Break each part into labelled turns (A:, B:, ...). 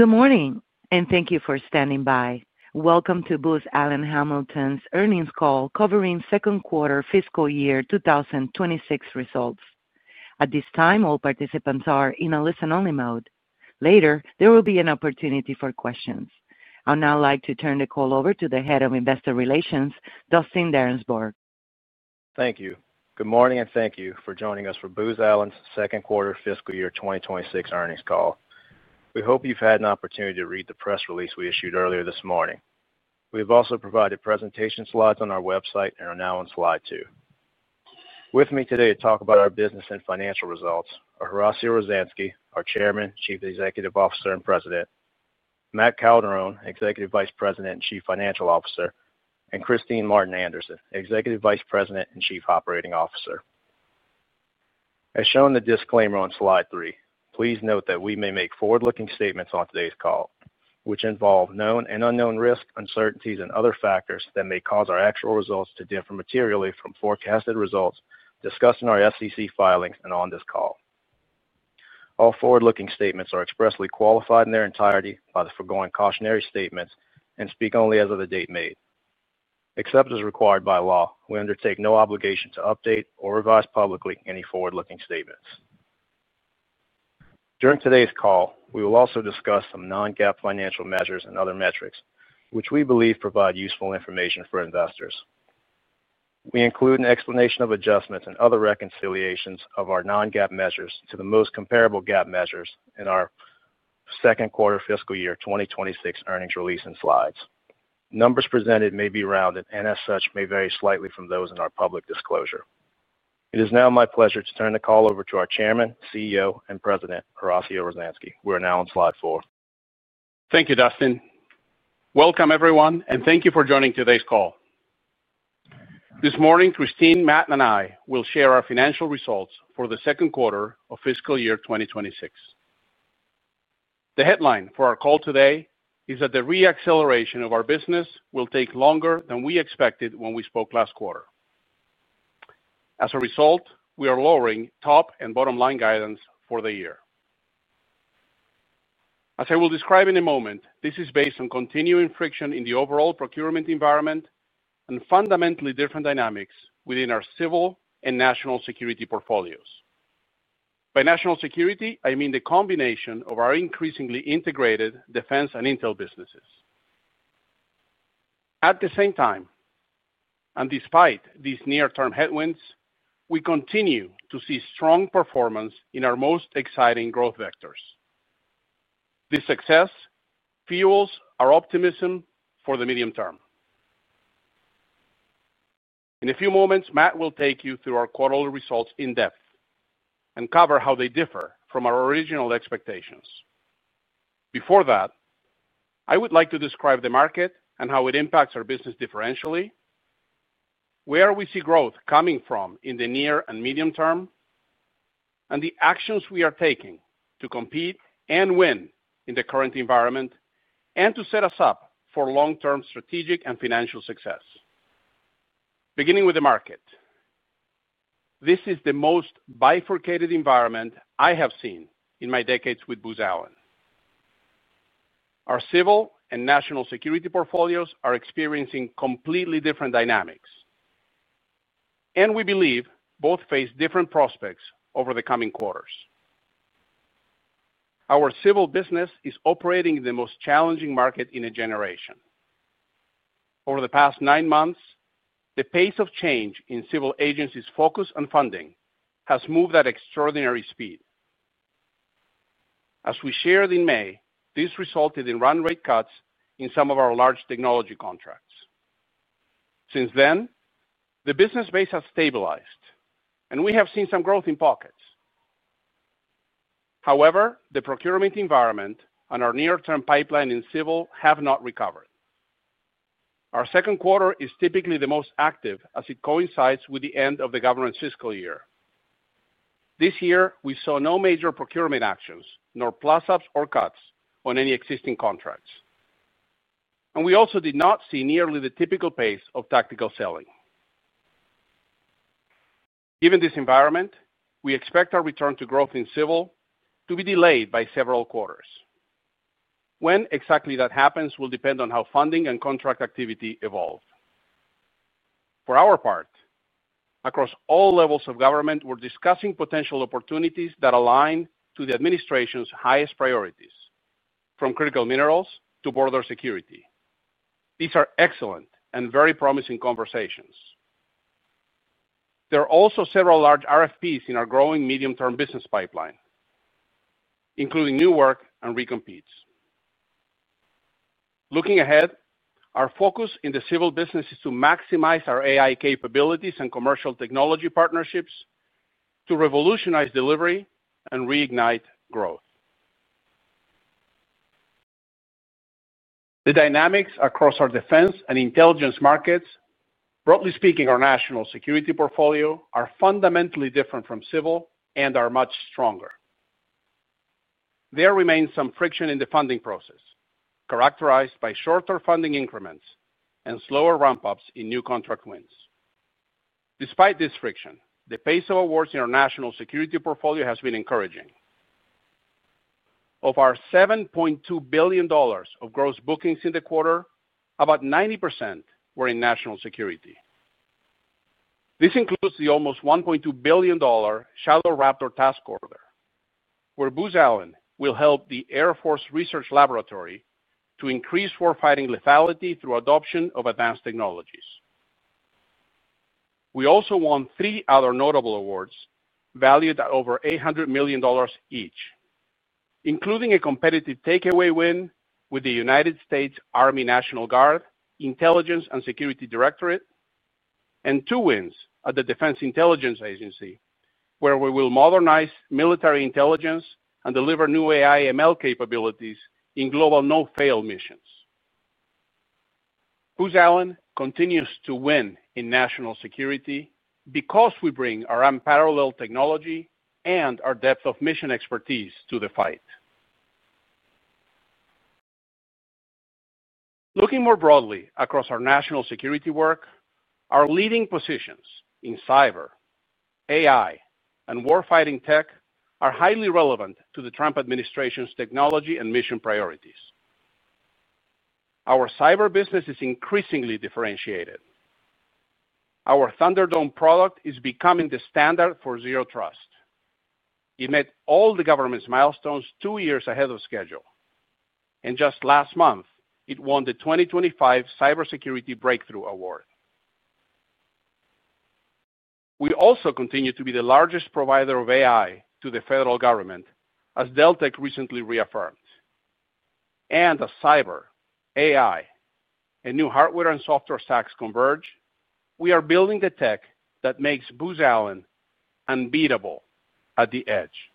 A: Good morning, and thank you for standing by. Welcome to Booz Allen Hamilton's earnings call covering second quarter fiscal year 2026 results. At this time, all participants are in a listen-only mode. Later, there will be an opportunity for questions. I would now like to turn the call over to the Head of Investor Relations, Dustin Darensbourg.
B: Thank you. Good morning, and thank you for joining us for Booz Allen Hamilton's second quarter fiscal year 2026 earnings call. We hope you've had an opportunity to read the press release we issued earlier this morning. We have also provided presentation slides on our website and are now on slide two. With me today to talk about our business and financial results are Horacio Rozanski, our Chairman, Chief Executive Officer, and President; Matt Calderone, Executive Vice President and Chief Financial Officer; and Kristine Anderson, Executive Vice President and Chief Operating Officer. As shown in the disclaimer on slide three, please note that we may make forward-looking statements on today's call, which involve known and unknown risks, uncertainties, and other factors that may cause our actual results to differ materially from forecasted results discussed in our SEC filings and on this call. All forward-looking statements are expressly qualified in their entirety by the foregoing cautionary statements and speak only as of the date made. Except as required by law, we undertake no obligation to update or revise publicly any forward-looking statements. During today's call, we will also discuss some non-GAAP financial measures and other metrics, which we believe provide useful information for investors. We include an explanation of adjustments and other reconciliations of our non-GAAP measures to the most comparable GAAP measures in our second quarter fiscal year 2026 earnings release and slides. Numbers presented may be rounded and, as such, may vary slightly from those in our public disclosure. It is now my pleasure to turn the call over to our Chairman, CEO, and President, Horacio Rozanski. We are now on slide four.
C: Thank you, Dustin. Welcome, everyone, and thank you for joining today's call. This morning, Kristine, Matt, and I will share our financial results for the second quarter of fiscal year 2026. The headline for our call today is that the re-acceleration of our business will take longer than we expected when we spoke last quarter. As a result, we are lowering top and bottom line guidance for the year. As I will describe in a moment, this is based on continuing friction in the overall procurement environment and fundamentally different dynamics within our civil and national security portfolios. By national security, I mean the combination of our increasingly integrated defense and intel businesses. At the same time, despite these near-term headwinds, we continue to see strong performance in our most exciting growth vectors. This success fuels our optimism for the medium term. In a few moments, Matt will take you through our quarterly results in depth and cover how they differ from our original expectations. Before that, I would like to describe the market and how it impacts our business differentially, where we see growth coming from in the near and medium term, and the actions we are taking to compete and win in the current environment and to set us up for long-term strategic and financial success. Beginning with the market, this is the most bifurcated environment I have seen in my decades with Booz Allen Hamilton. Our civil and national security portfolios are experiencing completely different dynamics, and we believe both face different prospects over the coming quarters. Our civil business is operating in the most challenging market in a generation. Over the past nine months, the pace of change in civil agencies' focus and funding has moved at extraordinary speed. As we shared in May, this resulted in run-rate cuts in some of our large technology contracts. Since then, the business base has stabilized, and we have seen some growth in pockets. However, the procurement environment and our near-term pipeline in civil have not recovered. Our second quarter is typically the most active as it coincides with the end of the government's fiscal year. This year, we saw no major procurement actions, nor plus-ups or cuts on any existing contracts. We also did not see nearly the typical pace of tactical selling. Given this environment, we expect our return to growth in civil to be delayed by several quarters. When exactly that happens will depend on how funding and contract activity evolve. For our part, across all levels of government, we're discussing potential opportunities that align to the administration's highest priorities, from critical minerals to border security. These are excellent and very promising conversations. There are also several large RFPs in our growing medium-term business pipeline, including new work and recompetes. Looking ahead, our focus in the civil business is to maximize our AI capabilities and commercial technology partnerships to revolutionize delivery and reignite growth. The dynamics across our defense and intelligence markets, broadly speaking, our national security portfolio are fundamentally different from civil and are much stronger. There remains some friction in the funding process, characterized by shorter funding increments and slower ramp-ups in new contract wins. Despite this friction, the pace of awards in our national security portfolio has been encouraging. Of our $7.2 billion of gross bookings in the quarter, about 90% were in national security. This includes the almost $1.2 billion Shadow Raptor task order, where Booz Allen will help the Air Force Research Laboratory to increase warfighting lethality through adoption of advanced technologies. We also won three other notable awards valued at over $800 million each, including a competitive takeaway win with the United States Army National Guard Intelligence and Security Directorate and two wins at the Defense Intelligence Agency, where we will modernize military intelligence and deliver new AI/ML capabilities in global no-fail missions. Booz Allen continues to win in national security because we bring our unparalleled technology and our depth of mission expertise to the fight. Looking more broadly across our national security work, our leading positions in cyber, AI, and warfighting technology are highly relevant to the Trump administration's technology and mission priorities. Our cyber business is increasingly differentiated. Our ThunderDome product is becoming the standard for zero trust. It met all the government's milestones two years ahead of schedule, and just last month, it won the 2025 Cybersecurity Breakthrough Award. We also continue to be the largest provider of AI to the federal government, as Deltek recently reaffirmed. As cyber, AI, and new hardware and software stacks converge, we are building the tech that makes Booz Allen unbeatable at the edge.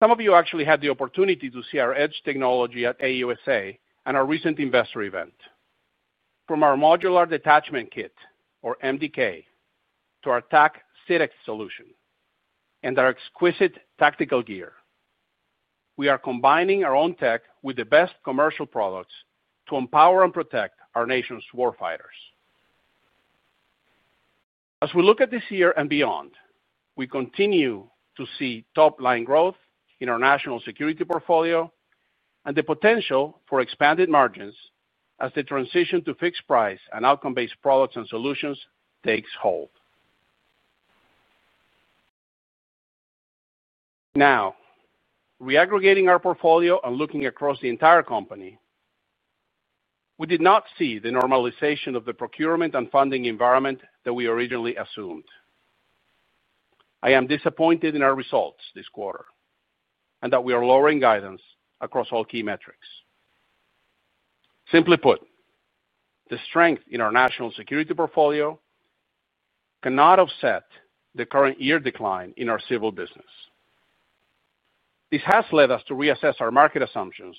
C: Some of you actually had the opportunity to see our edge technology at AUSA and our recent investor event. From our modular detachment kit, or MDK, to our TAC Sirex solution and our exquisite tactical gear, we are combining our own tech with the best commercial products to empower and protect our nation's warfighters. As we look at this year and beyond, we continue to see top-line growth in our national security portfolio and the potential for expanded margins as the transition to fixed-price and outcome-based products and solutions takes hold. Now, reaggregating our portfolio and looking across the entire company, we did not see the normalization of the procurement and funding environment that we originally assumed. I am disappointed in our results this quarter and that we are lowering guidance across all key metrics. Simply put, the strength in our national security portfolio cannot offset the current year decline in our civil business. This has led us to reassess our market assumptions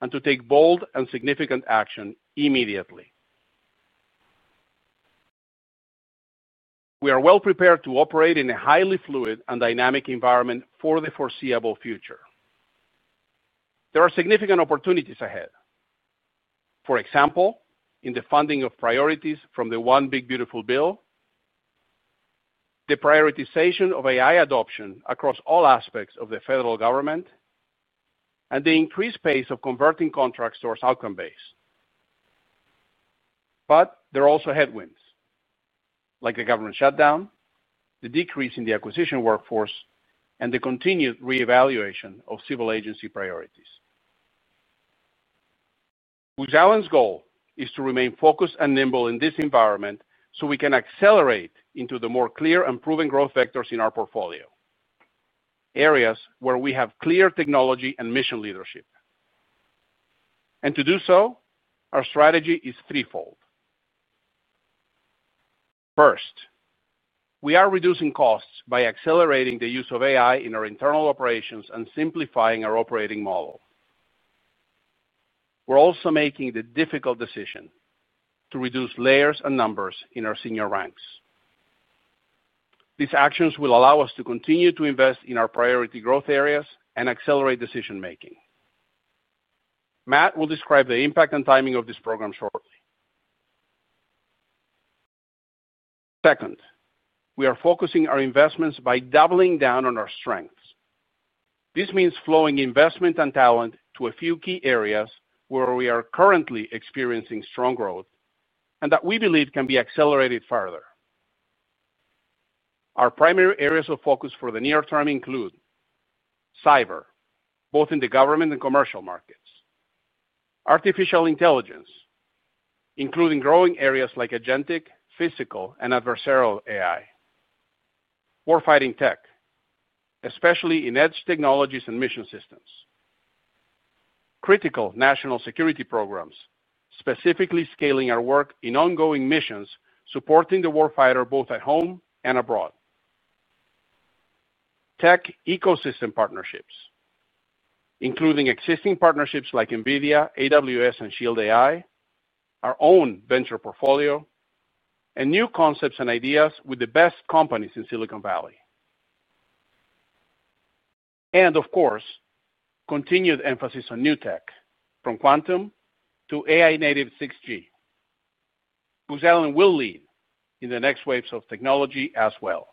C: and to take bold and significant action immediately. We are well prepared to operate in a highly fluid and dynamic environment for the foreseeable future. There are significant opportunities ahead. For example, in the funding of priorities from the One Big Beautiful Bill, the prioritization of artificial intelligence adoption across all aspects of the federal government, and the increased pace of converting contracts towards outcome-based. There are also headwinds, like the government shutdown, the decrease in the acquisition workforce, and the continued reevaluation of civil agency priorities. Booz Allen Hamilton's goal is to remain focused and nimble in this environment so we can accelerate into the more clear and proven growth vectors in our portfolio, areas where we have clear technology and mission leadership. To do so, our strategy is threefold. First, we are reducing costs by accelerating the use of artificial intelligence in our internal operations and simplifying our operating model. We're also making the difficult decision to reduce layers and numbers in our senior ranks. These actions will allow us to continue to invest in our priority growth areas and accelerate decision-making. Matt will describe the impact and timing of this program shortly. Second, we are focusing our investments by doubling down on our strengths. This means flowing investment and talent to a few key areas where we are currently experiencing strong growth and that we believe can be accelerated further. Our primary areas of focus for the near term include cyber, both in the government and commercial markets, artificial intelligence, including growing areas like agentic, physical, and adversarial AI, warfighting technology, especially in edge technologies and mission systems, critical national security programs, specifically scaling our work in ongoing missions supporting the warfighter both at home and abroad, tech ecosystem partnerships, including existing partnerships like NVIDIA, AWS, and Shield AI, our own venture portfolio, and new concepts and ideas with the best companies in Silicon Valley. Of course, continued emphasis on new tech, from quantum to AI-native 6G. Booz Allen will lead in the next waves of technology as well.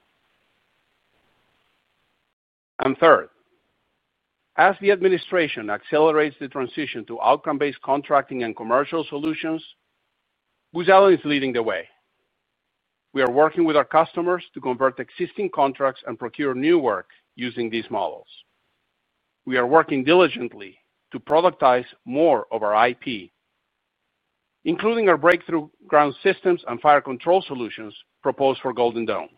C: Third, as the administration accelerates the transition to outcome-based contracting and commercial solutions, Booz Allen is leading the way. We are working with our customers to convert existing contracts and procure new work using these models. We are working diligently to productize more of our IP, including our breakthrough ground systems and fire control solutions proposed for Golden Dome.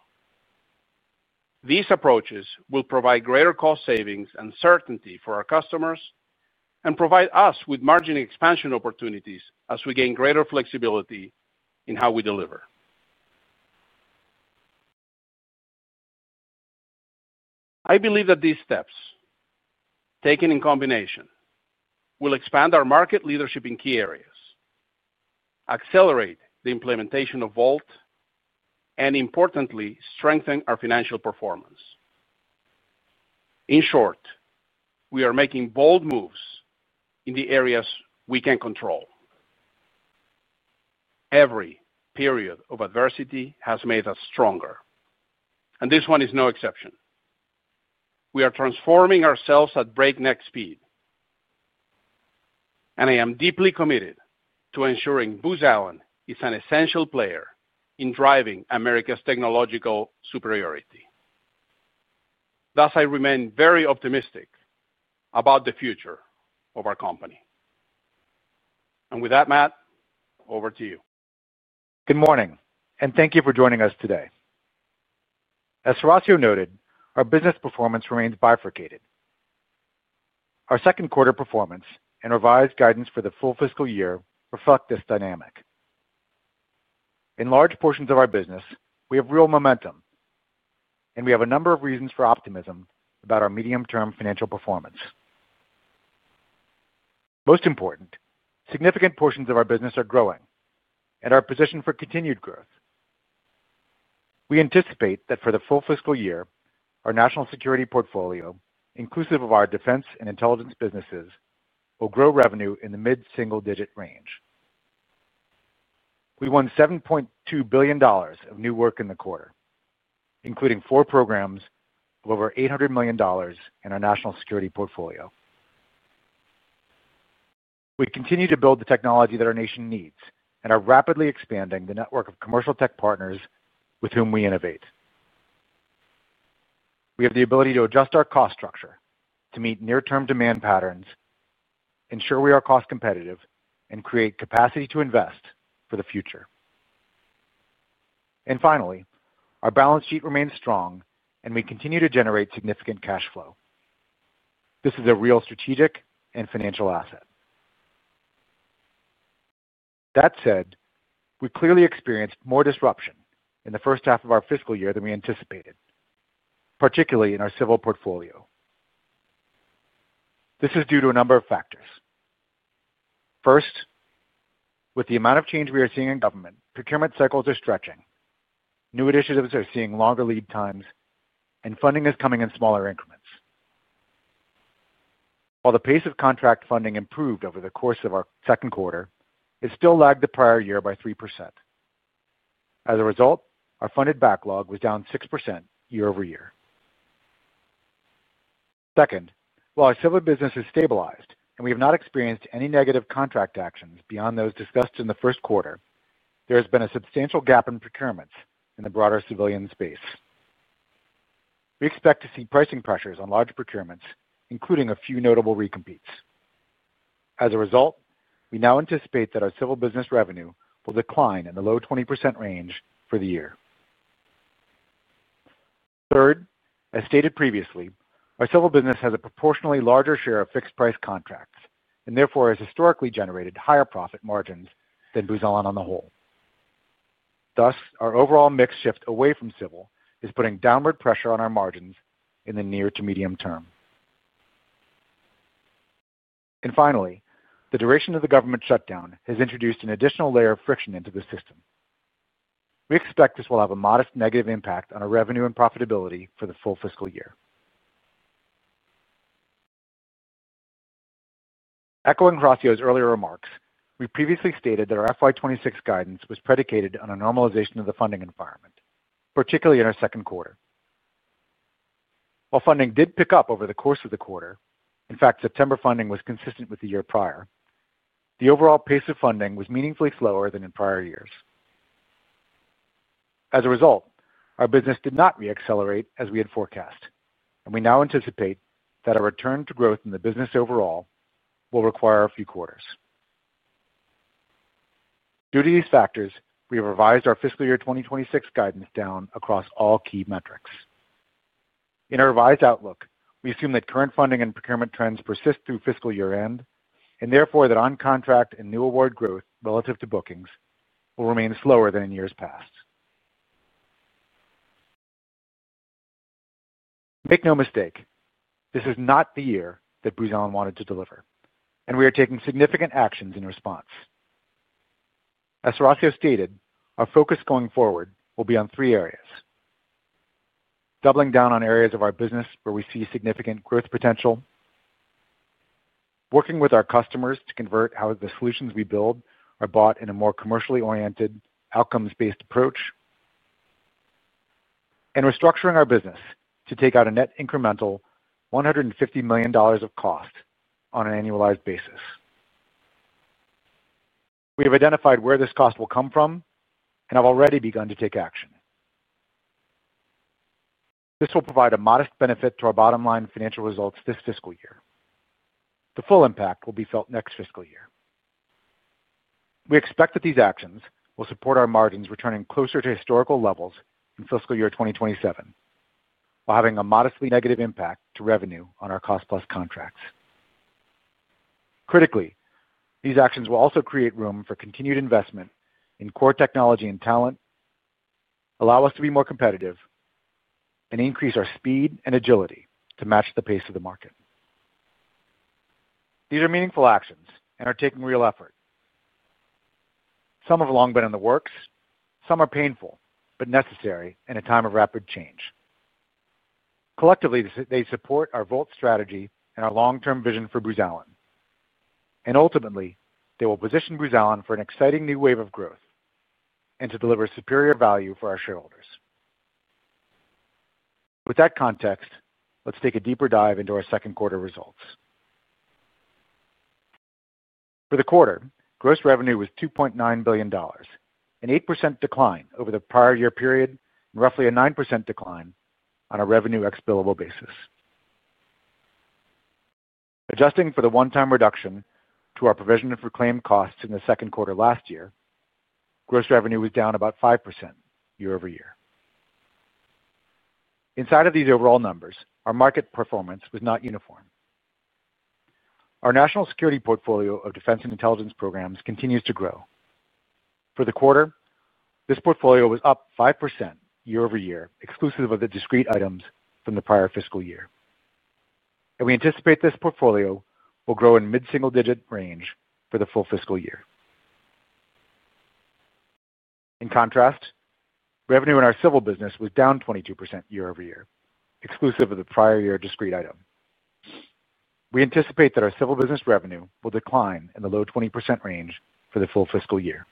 C: These approaches will provide greater cost savings and certainty for our customers and provide us with margin expansion opportunities as we gain greater flexibility in how we deliver. I believe that these steps, taken in combination, will expand our market leadership in key areas, accelerate the implementation of Vault, and, importantly, strengthen our financial performance. In short, we are making bold moves in the areas we can control. Every period of adversity has made us stronger, and this one is no exception. We are transforming ourselves at breakneck speed, and I am deeply committed to ensuring Booz Allen is an essential player in driving America's technological superiority. Thus, I remain very optimistic about the future of our company. With that, Matt, over to you.
D: Good morning, and thank you for joining us today. As Horacio noted, our business performance remains bifurcated. Our second quarter performance and revised guidance for the full fiscal year reflect this dynamic. In large portions of our business, we have real momentum, and we have a number of reasons for optimism about our medium-term financial performance. Most important, significant portions of our business are growing and are positioned for continued growth. We anticipate that for the full fiscal year, our national security portfolio, inclusive of our defense and intelligence businesses, will grow revenue in the mid-single-digit range. We won $7.2 billion of new work in the quarter, including four programs of over $800 million in our national security portfolio. We continue to build the technology that our nation needs and are rapidly expanding the network of commercial tech partners with whom we innovate. We have the ability to adjust our cost structure to meet near-term demand patterns, ensure we are cost-competitive, and create capacity to invest for the future. Finally, our balance sheet remains strong, and we continue to generate significant cash flow. This is a real strategic and financial asset. That said, we clearly experienced more disruption in the first half of our fiscal year than we anticipated, particularly in our civil portfolio. This is due to a number of factors. First, with the amount of change we are seeing in government, procurement cycles are stretching, new initiatives are seeing longer lead times, and funding is coming in smaller increments. While the pace of contract funding improved over the course of our second quarter, it still lagged the prior year by 3%. As a result, our funded backlog was down 6% year-over-year. Second, while our civil business has stabilized and we have not experienced any negative contract actions beyond those discussed in the first quarter, there has been a substantial gap in procurements in the broader civilian space. We expect to see pricing pressures on large procurements, including a few notable recompetes. As a result, we now anticipate that our civil business revenue will decline in the low 20% range for the year. Third, as stated previously, our civil business has a proportionally larger share of fixed-price contracts and therefore has historically generated higher profit margins than Booz Allen on the whole. Thus, our overall mix shift away from civil is putting downward pressure on our margins in the near to medium term. Finally, the duration of the government shutdown has introduced an additional layer of friction into the system. We expect this will have a modest negative impact on our revenue and profitability for the full fiscal year. Echoing Horacio's earlier remarks, we previously stated that our FY 2026 guidance was predicated on a normalization of the funding environment, particularly in our second quarter. While funding did pick up over the course of the quarter, in fact, September funding was consistent with the year prior, the overall pace of funding was meaningfully slower than in prior years. As a result, our business did not reaccelerate as we had forecast, and we now anticipate that our return to growth in the business overall will require a few quarters. Due to these factors, we have revised our fiscal year 2026 guidance down across all key metrics. In our revised outlook, we assume that current funding and procurement trends persist through fiscal year-end and therefore that on-contract and new award growth relative to bookings will remain slower than in years past. Make no mistake, this is not the year that Booz Allen wanted to deliver, and we are taking significant actions in response. As Horacio stated, our focus going forward will be on three areas: doubling down on areas of our business where we see significant growth potential, working with our customers to convert how the solutions we build are bought in a more commercially oriented, outcomes-based approach, and restructuring our business to take out a net incremental $150 million of cost on an annualized basis. We have identified where this cost will come from and have already begun to take action. This will provide a modest benefit to our bottom line financial results this fiscal year. The full impact will be felt next fiscal year. We expect that these actions will support our margins returning closer to historical levels in fiscal year 2027, while having a modestly negative impact to revenue on our cost-plus contracts. Critically, these actions will also create room for continued investment in core technology and talent, allow us to be more competitive, and increase our speed and agility to match the pace of the market. These are meaningful actions and are taking real effort. Some have long been in the works; some are painful but necessary in a time of rapid change. Collectively, they support our Vault strategy and our long-term vision for Booz Allen. Ultimately, they will position Booz Allen for an exciting new wave of growth and to deliver superior value for our shareholders. With that context, let's take a deeper dive into our second quarter results. For the quarter, gross revenue was $2.9 billion, an 8% decline over the prior year period, and roughly a 9% decline on a revenue ex billable basis. Adjusting for the one-time reduction to our provision for claim costs in the second quarter last year, gross revenue was down about 5% year-over-year. Inside of these overall numbers, our market performance was not uniform. Our national security portfolio of defense and intelligence programs continues to grow. For the quarter, this portfolio was up 5% year-over-year, exclusive of the discrete items from the prior fiscal year. We anticipate this portfolio will grow in mid-single-digit range for the full fiscal year. In contrast, revenue in our civil business was down 22% year-over-year, exclusive of the prior year discrete item. We anticipate that our civil business revenue will decline in the low 20% range for the full fiscal year.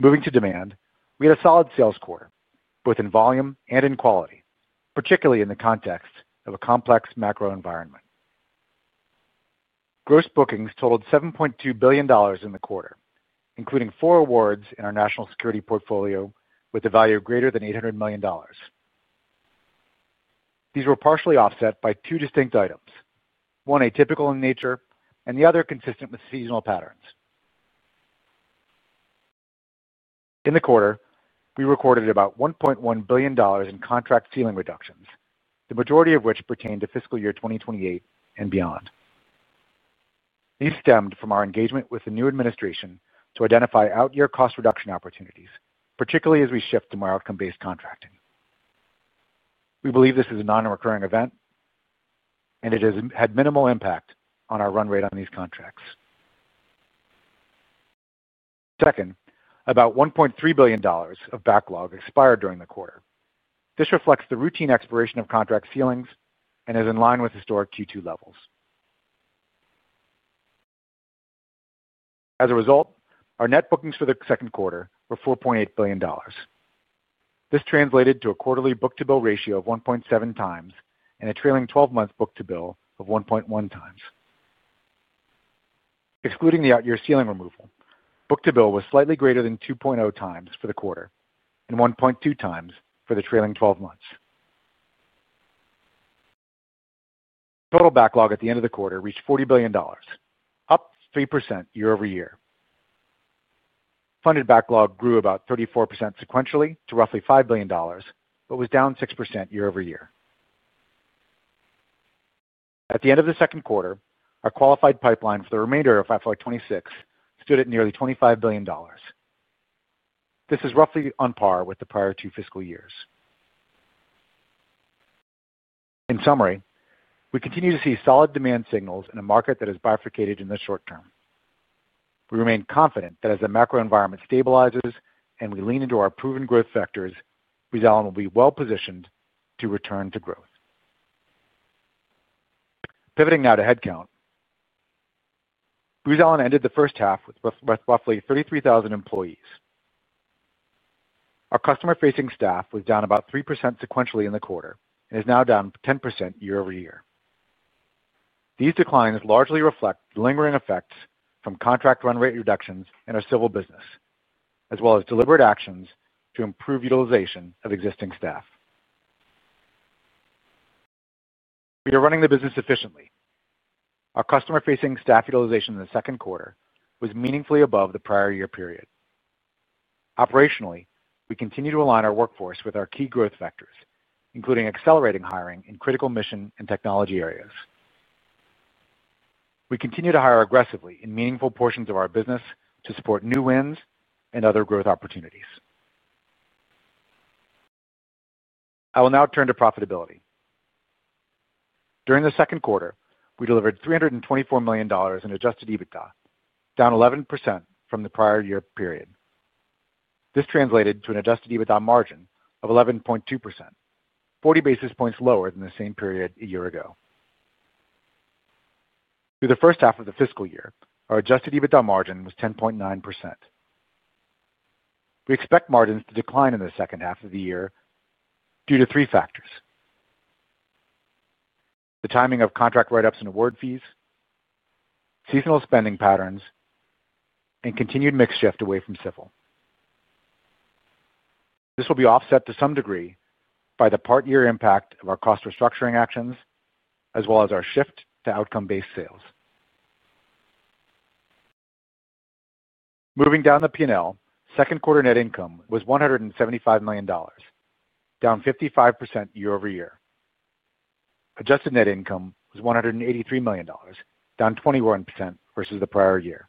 D: Moving to demand, we had a solid sales core, both in volume and in quality, particularly in the context of a complex macro environment. Gross bookings totaled $7.2 billion in the quarter, including four awards in our national security portfolio with a value greater than $800 million. These were partially offset by two distinct items, one atypical in nature and the other consistent with seasonal patterns. In the quarter, we recorded about $1.1 billion in contract ceiling reductions, the majority of which pertained to fiscal year 2028 and beyond. These stemmed from our engagement with the new administration to identify out-year cost reduction opportunities, particularly as we shift to more outcome-based contracting. We believe this is a non-recurring event, and it has had minimal impact on our run rate on these contracts. Second, about $1.3 billion of backlog expired during the quarter. This reflects the routine expiration of contract ceilings and is in line with historic Q2 levels. As a result, our net bookings for the second quarter were $4.8 billion. This translated to a quarterly book-to-bill ratio of 1.7x and a trailing 12 month book to bill of 1.1x. Excluding the out-year ceiling removal, book-to-bill was slightly greater than 2.0x for the quarter and 1.2x for the trailing 12 months. The total backlog at the end of the quarter reached $40 billion, up 3% year-over-year. Funded backlog grew about 34% sequentially to roughly $5 billion, but was down 6% year-over-year. At the end of the second quarter, our qualified pipeline for the remainder of FY 2026 stood at nearly $25 billion. This is roughly on par with the prior two fiscal years. In summary, we continue to see solid demand signals in a market that has bifurcated in the short term. We remain confident that as the macro environment stabilizes and we lean into our proven growth factors, Booz Allen will be well positioned to return to growth. Pivoting now to headcount, Booz Allen ended the first half with roughly 33,000 employees. Our customer-facing staff was down about 3% sequentially in the quarter and is now down 10% year-over-year. These declines largely reflect lingering effects from contract run rate reductions in our civil business, as well as deliberate actions to improve utilization of existing staff. We are running the business efficiently. Our customer-facing staff utilization in the second quarter was meaningfully above the prior year period. Operationally, we continue to align our workforce with our key growth factors, including accelerating hiring in critical mission and technology areas. We continue to hire aggressively in meaningful portions of our business to support new wins and other growth opportunities. I will now turn to profitability. During the second quarter, we delivered $324 million in adjusted EBITDA, down 11% from the prior year period. This translated to an adjusted EBITDA margin of 11.2%, 40 basis points lower than the same period a year ago. Through the first half of the fiscal year, our adjusted EBITDA margin was 10.9%. We expect margins to decline in the second half of the year due to three factors: the timing of contract write-ups and award fees, seasonal spending patterns, and continued mix shift away from civil. This will be offset to some degree by the part-year impact of our cost restructuring actions, as well as our shift to outcome-based sales. Moving down the P&L, second quarter net income was $175 million, down 55% year-over-year. Adjusted net income was $183 million, down 21% versus the prior year.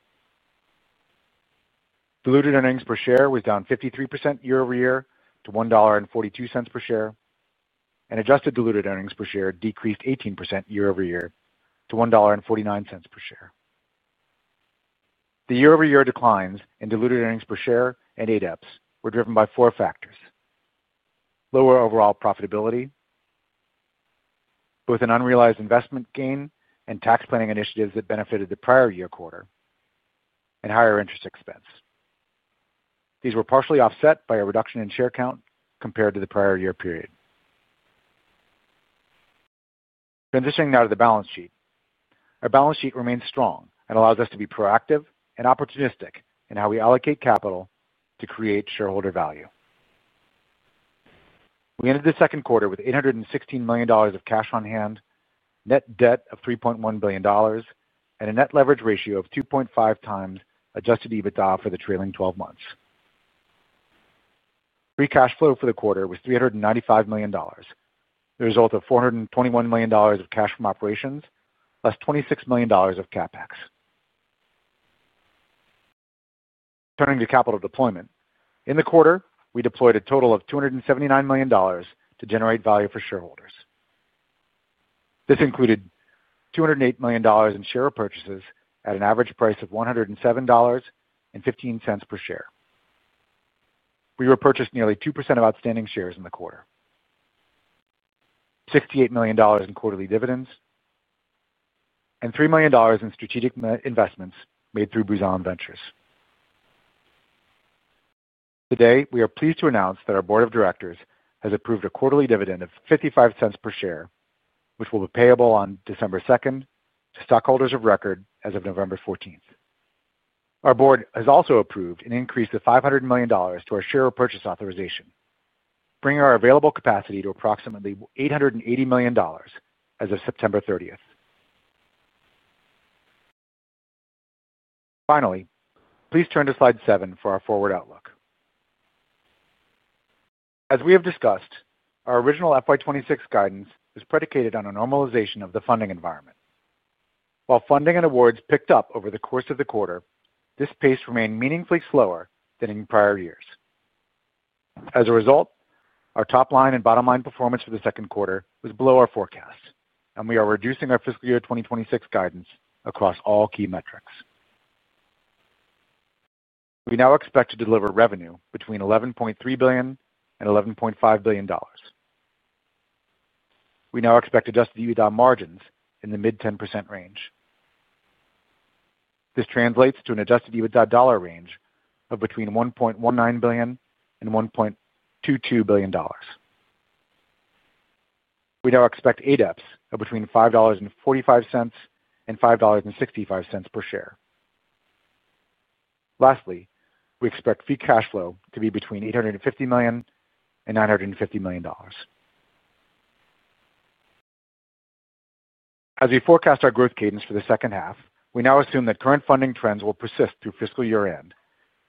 D: Diluted earnings per share was down 53% year-over-year to $1.42 per share, and adjusted diluted earnings per share decreased 18% year-over-year to $1.49 per share. The year-over-year declines in diluted earnings per share and ADEPS were driven by four factors: lower overall profitability, both an unrealized investment gain and tax planning initiatives that benefited the prior year quarter, and higher interest expense. These were partially offset by a reduction in share count compared to the prior year period. Transitioning now to the balance sheet, our balance sheet remains strong and allows us to be proactive and opportunistic in how we allocate capital to create shareholder value. We ended the second quarter with $816 million of cash on hand, net debt of $3.1 billion, and a net leverage ratio of 2.5x adjusted EBITDA for the trailing 12 months. Free cash flow for the quarter was $395 million, the result of $421 million of cash from operations, plus $26 million of CapEx. Turning to capital deployment, in the quarter, we deployed a total of $279 million to generate value for shareholders. This included $208 million in share purchases at an average price of $107.15 per share. We repurchased nearly 2% of outstanding shares in the quarter, $68 million in quarterly dividends, and $3 million in strategic investments made through Booz Allen Ventures. Today, we are pleased to announce that our board of directors has approved a quarterly dividend of $0.55 per share, which will be payable on December 2nd to stockholders of record as of November 14th. Our board has also approved an increase of $500 million to our share purchase authorization, bringing our available capacity to approximately $880 million as of September 30. Finally, please turn to slide seven for our forward outlook. As we have discussed, our original FY 2026 guidance is predicated on a normalization of the funding environment. While funding and awards picked up over the course of the quarter, this pace remained meaningfully slower than in prior years. As a result, our top line and bottom line performance for the second quarter was below our forecast, and we are reducing our fiscal year 2026 guidance across all key metrics. We now expect to deliver revenue between $11.3 billion and $11.5 billion. We now expect adjusted EBITDA margins in the mid-10% range. This translates to an adjusted EBITDA dollar range of between $1.19 billion and $1.22 billion. We now expect adjusted diluted EPS of between $5.45 and $5.65 per share. Lastly, we expect free cash flow to be between $850 million and $950 million. As we forecast our growth cadence for the second half, we now assume that current funding trends will persist through fiscal year-end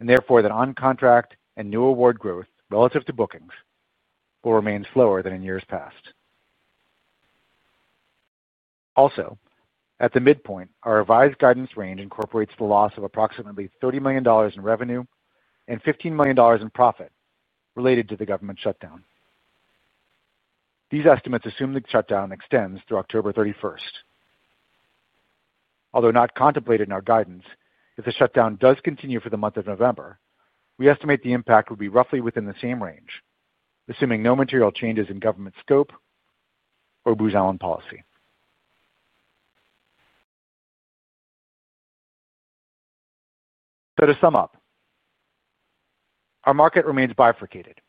D: and therefore that on-contract and new award growth relative to bookings will remain slower than in years past. At the midpoint, our revised guidance range incorporates the loss of approximately $30 million in revenue and $15 million in profit related to the government shutdown. These estimates assume the shutdown extends through October 31st. Although not contemplated in our guidance, if the shutdown does continue for the month of November, we estimate the impact would be roughly within the same range, assuming no material changes in government scope or Booz Allen policy. To sum up, our market remains bifurcated,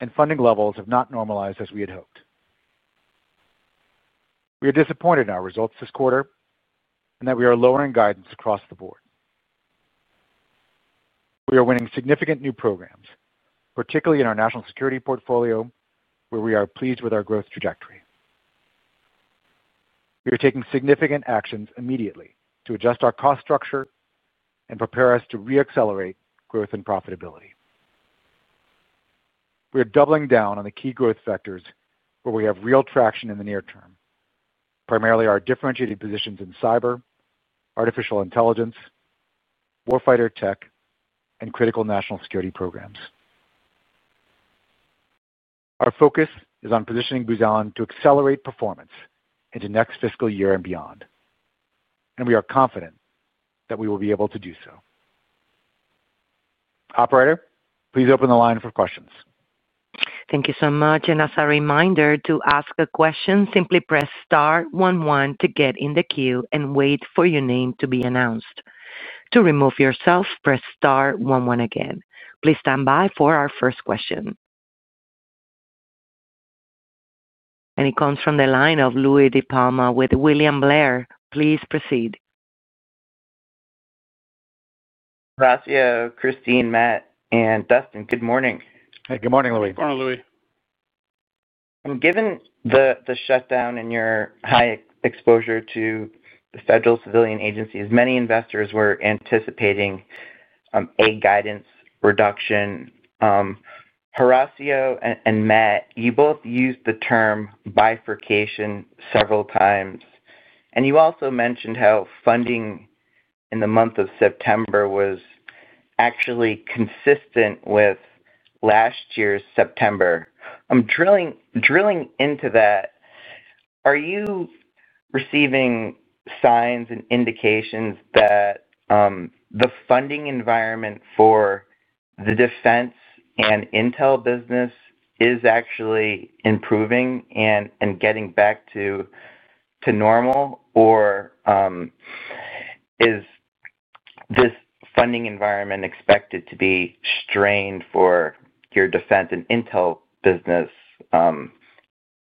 D: and funding levels have not normalized as we had hoped. We are disappointed in our results this quarter and that we are lowering guidance across the board. We are winning significant new programs, particularly in our national security portfolio, where we are pleased with our growth trajectory. We are taking significant actions immediately to adjust our cost structure and prepare us to reaccelerate growth and profitability. We are doubling down on the key growth factors where we have real traction in the near term, primarily our differentiated positions in cyber, artificial intelligence, warfighting technology, and critical national security programs. Our focus is on positioning Booz Allen to accelerate performance into next fiscal year and beyond, and we are confident that we will be able to do so. Operator, please open the line for questions.
A: Thank you so much. As a reminder, to ask a question, simply press star 11 to get in the queue and wait for your name to be announced. To remove yourself, press star 11 again. Please stand by for our first question. It comes from the line of Louie D DiPalma with William Blair. Please proceed.
E: Yeah, Kristine, Matt, and Dustin. Good morning.
D: Hey, good morning, Louie.
C: Morning, Louie.
E: Given the shutdown and your high exposure to the federal civilian agencies, many investors were anticipating a guidance reduction. Horacio and Matt, you both used the term bifurcation several times, and you also mentioned how funding in the month of September was actually consistent with last year's September. I'm drilling into that. Are you receiving signs and indications that the funding environment for the defense and intel business is actually improving and getting back to normal? Is this funding environment expected to be strained for your defense and intel business,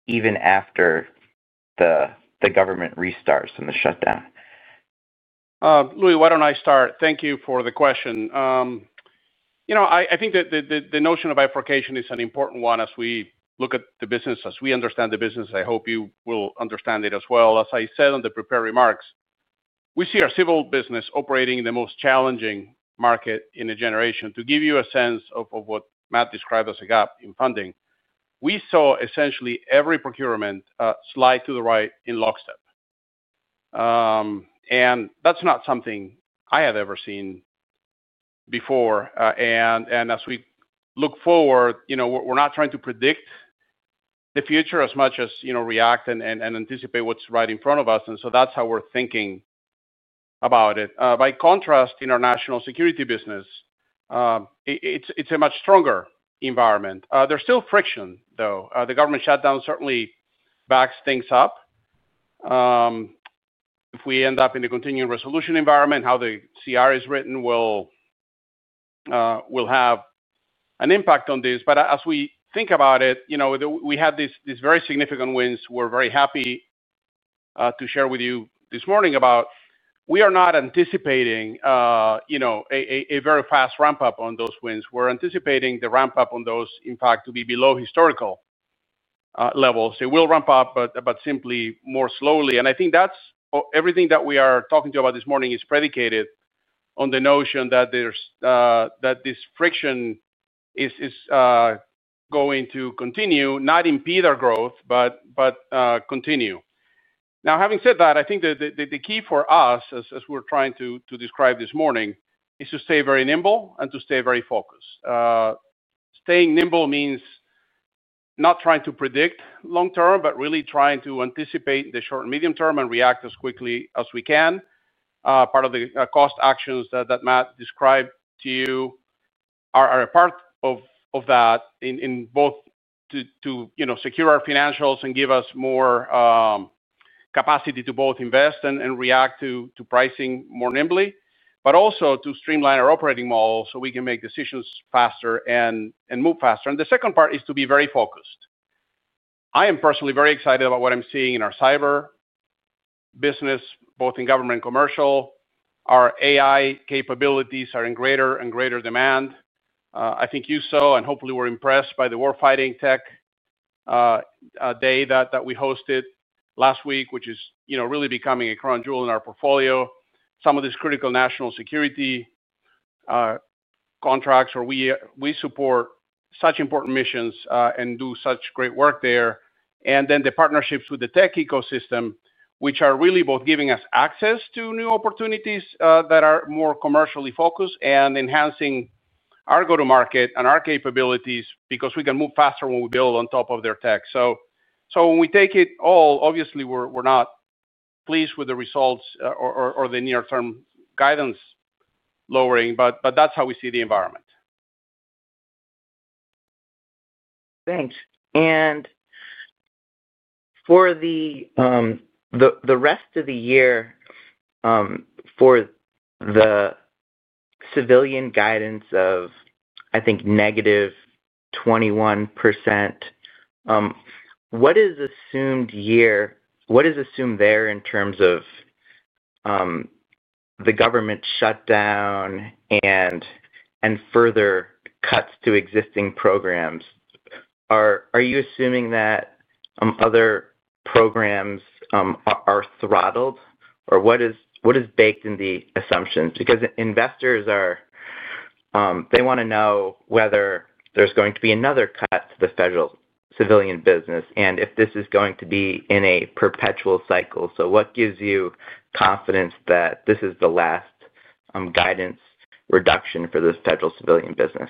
E: even after the government restarts and the shutdown?
C: Louis, why don't I start? Thank you for the question. I think that the notion of bifurcation is an important one as we look at the business, as we understand the business. I hope you will understand it as well. As I said on the prepared remarks, we see our civil business operating in the most challenging market in a generation. To give you a sense of what Matt described as a gap in funding, we saw essentially every procurement slide to the right in lockstep. That's not something I have ever seen before. As we look forward, we're not trying to predict the future as much as react and anticipate what's right in front of us. That's how we're thinking about it. By contrast, in our national security business, it's a much stronger environment. There's still friction, though. The government shutdown certainly backs things up. If we end up in a continuing resolution environment, how the CR is written will have an impact on this. As we think about it, we had these very significant wins. We're very happy to share with you this morning, but we are not anticipating a very fast ramp-up on those wins. We're anticipating the ramp-up on those, in fact, to be below historical levels. They will ramp up, but simply more slowly. I think everything that we are talking to about this morning is predicated on the notion that this friction is going to continue, not impede our growth, but continue. Now, having said that, I think that the key for us, as we're trying to describe this morning, is to stay very nimble and to stay very focused. Staying nimble means not trying to predict long term, but really trying to anticipate the short and medium term and react as quickly as we can. Part of the cost actions that Matt described to you are a part of that, both to secure our financials and give us more capacity to both invest and react to pricing more nimbly, but also to streamline our operating model so we can make decisions faster and move faster. The second part is to be very focused. I am personally very excited about what I'm seeing in our cyber business, both in government and commercial. Our AI capabilities are in greater and greater demand. I think you saw and hopefully were impressed by the warfighting tech day that we hosted last week, which is really becoming a crown jewel in our portfolio. Some of these critical national security contracts where we support such important missions and do such great work there, and then the partnerships with the tech ecosystem, which are really both giving us access to new opportunities that are more commercially focused and enhancing our go-to-market and our capabilities because we can move faster when we build on top of their tech. When we take it all, obviously, we're not pleased with the results or the near-term guidance lowering, but that's how we see the environment.
E: Thanks. For the rest of the year, for the civilian guidance of, I think, negative 21%, what is assumed there in terms of the government shutdown and further cuts to existing programs? Are you assuming that other programs are throttled? What is baked in the assumptions? Investors want to know whether there's going to be another cut to the federal civilian business and if this is going to be in a perpetual cycle. What gives you confidence that this is the last guidance reduction for the federal civilian business?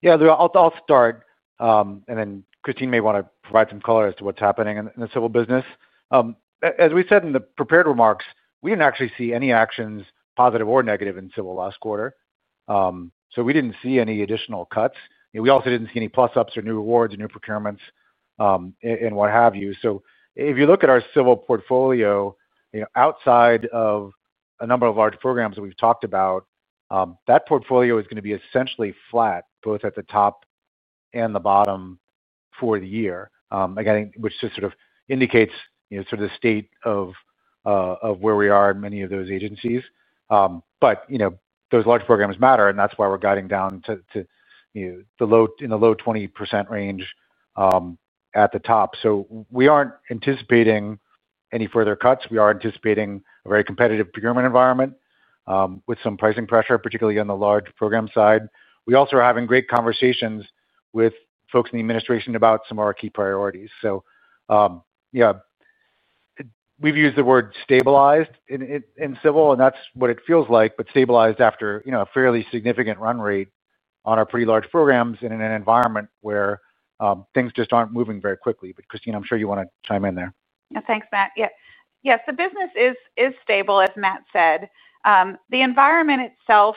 D: Yeah, I'll start, and then Kristine may want to provide some color as to what's happening in the civil business. As we said in the prepared remarks, we didn't actually see any actions, positive or negative, in civil last quarter. We didn't see any additional cuts. We also didn't see any plus-ups or new awards or new procurements and what have you. If you look at our civil portfolio, outside of a number of large programs that we've talked about, that portfolio is going to be essentially flat, both at the top and the bottom for the year, again, which just sort of indicates the state of where we are in many of those agencies. Those large programs matter, and that's why we're guiding down to in the low 20% range at the top. We aren't anticipating any further cuts. We are anticipating a very competitive procurement environment with some pricing pressure, particularly on the large program side. We also are having great conversations with folks in the administration about some of our key priorities. We've used the word stabilized in civil, and that's what it feels like, but stabilized after a fairly significant run rate on our pretty large programs in an environment where things just aren't moving very quickly. Kristine, I'm sure you want to chime in there.
F: Yeah, thanks, Matt. The business is stable, as Matt said. The environment itself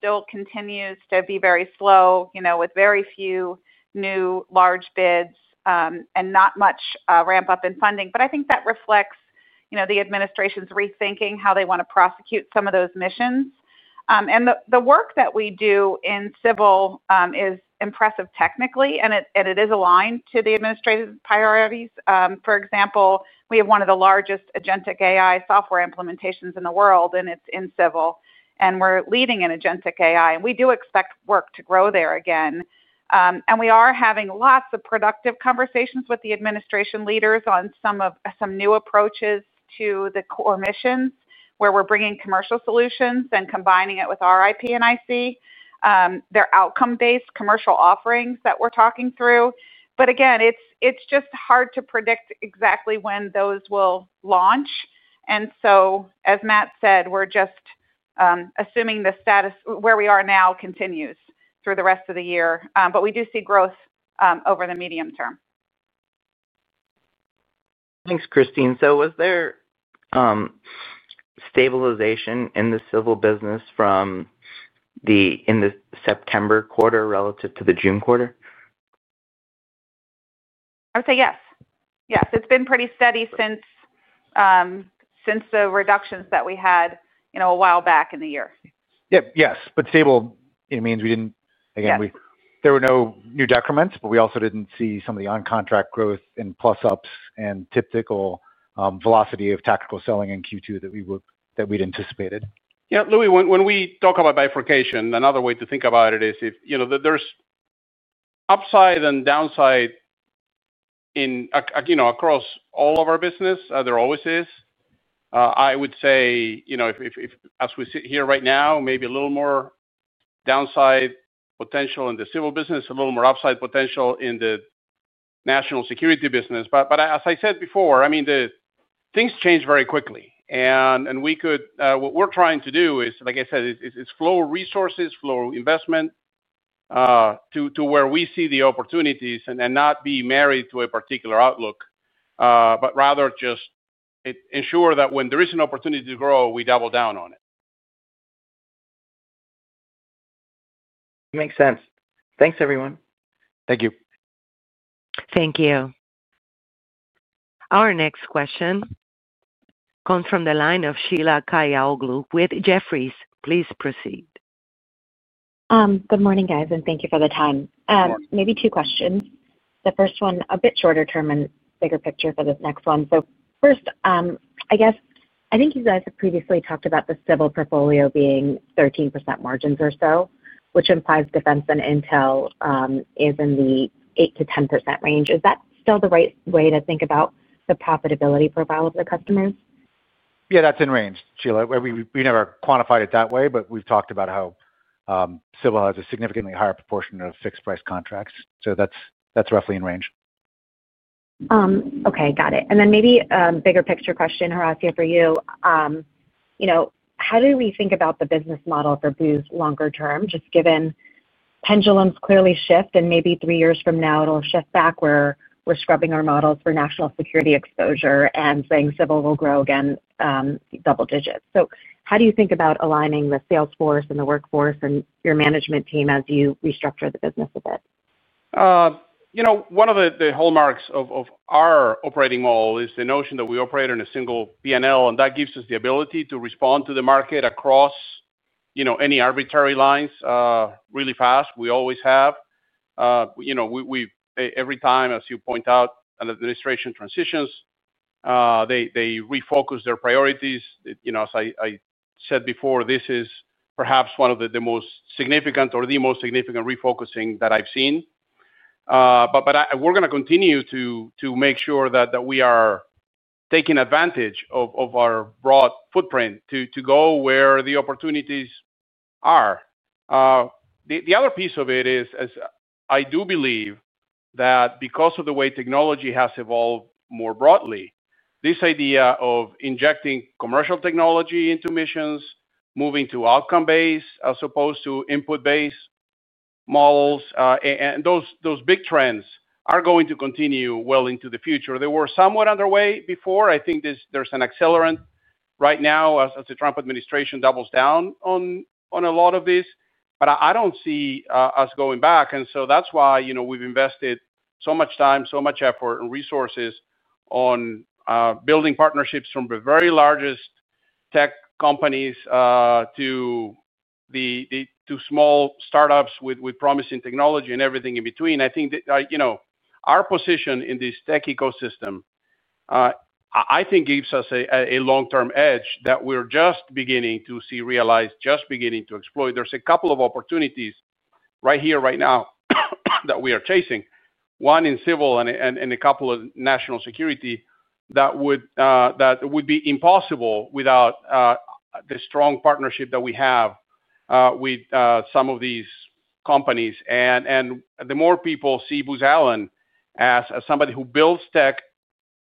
F: still continues to be very slow, with very few new large bids and not much ramp-up in funding. I think that reflects the administration's rethinking how they want to prosecute some of those missions. The work that we do in civil is impressive technically, and it is aligned to the administrative priorities. For example, we have one of the largest agentic AI software implementations in the world, and it's in civil, and we're leading in agentic AI. We do expect work to grow there again. We are having lots of productive conversations with the administration leaders on some new approaches to the core missions, where we're bringing commercial solutions and combining it with our IP and IC, their outcome-based commercial offerings that we're talking through. It's just hard to predict exactly when those will launch. As Matt said, we're just assuming the status where we are now continues through the rest of the year. We do see growth over the medium term.
E: Thanks, Kristine. Was there stabilization in the civil business from the September quarter relative to the June quarter?
F: I would say yes. Yes, it's been pretty steady since the reductions that we had a while back in the year.
D: Yes, but stable means we didn't, again, there were no new decrements, but we also didn't see some of the on-contract growth and plus-ups and typical velocity of tactical selling in Q2 that we'd anticipated.
C: Louis, when we talk about bifurcation, another way to think about it is if there's upside and downside across all of our business, there always is. I would say, you know, as we sit here right now, maybe a little more downside potential in the civil business, a little more upside potential in the national security business. As I said before, things change very quickly. What we're trying to do is, like I said, flow resources, flow investment to where we see the opportunities and not be married to a particular outlook, but rather just ensure that when there is an opportunity to grow, we double down on it.
E: Makes sense. Thanks, everyone.
C: Thank you.
A: Thank you. Our next question comes from the line of Sheila Kahyaoglu with Jefferies LLC. Please proceed.
G: Good morning, guys, and thank you for the time. Maybe two questions. The first one a bit shorter term and bigger picture for this next one. First, I guess I think you guys have previously talked about the civil portfolio being 13% margins or so, which implies defense and intel is in the 8-10% range. Is that still the right way to think about the profitability profile of the customers?
C: Yeah, that's in range, Sheila. We never quantified it that way, but we've talked about how civil has a significantly higher proportion of fixed-price contracts, so that's roughly in range.
G: Okay, got it. Maybe a bigger picture question, Horacio, for you. How do we think about the business model for Booz Allen Hamilton longer term, just given pendulums clearly shift and maybe three years from now it'll shift back where we're scrubbing our models for national security exposure and saying civil will grow again double digits? How do you think about aligning the sales force and the workforce and your management team as you restructure the business a bit?
C: One of the hallmarks of our operating model is the notion that we operate in a single P&L, and that gives us the ability to respond to the market across any arbitrary lines really fast. Every time, as you point out, an administration transitions, they refocus their priorities. As I said before, this is perhaps one of the most significant or the most significant refocusing that I've seen. We're going to continue to make sure that we are taking advantage of our broad footprint to go where the opportunities are. The other piece of it is, I do believe that because of the way technology has evolved more broadly, this idea of injecting commercial technology into missions, moving to outcome-based as opposed to input-based models, and those big trends are going to continue well into the future. They were somewhat underway before. I think there's an accelerant right now as the Trump administration doubles down on a lot of this. I don't see us going back. That's why we've invested so much time, so much effort, and resources on building partnerships from the very largest tech companies to small startups with promising technology and everything in between. I think that our position in this tech ecosystem gives us a long-term edge that we're just beginning to see realized, just beginning to exploit. There's a couple of opportunities right here, right now that we are chasing, one in civil and a couple of national security that would be impossible without the strong partnership that we have with some of these companies. The more people see Booz Allen as somebody who builds tech,